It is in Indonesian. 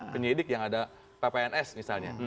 penyidik yang ada ppns misalnya